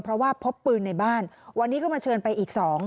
เพราะว่าพบปืนในบ้านวันนี้ก็มาเชิญไปอีกสอง